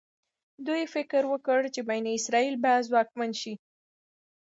دوی فکر وکړ چې بني اسرایل به ځواکمن شي.